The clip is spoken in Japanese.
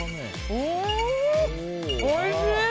おいしい！